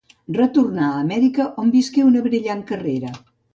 Retornà a Amèrica on visqué una brillant carrera.